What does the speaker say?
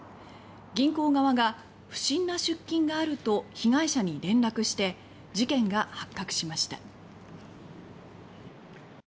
銀行側が「不審な出金がある」と被害者に連絡して事件が発覚しました。